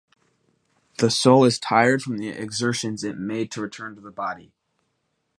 The soul is tired from the exertions it made to return to the body.